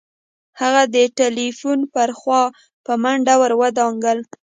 هغه د ټليفون پر خوا په منډه ور ودانګل.